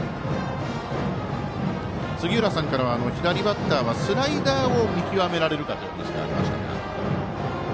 杉浦さんからは左バッターはスライダーを見極められるかというお話がありましたが。